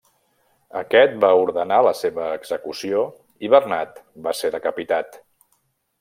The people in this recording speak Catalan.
Aquest va ordenar la seva execució i Bernat va ser decapitat.